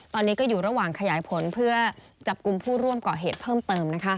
ตอนนี้ก็อยู่ระหว่างขยายผลเพื่อจับกลุ่มผู้ร่วมก่อเหตุเพิ่มเติม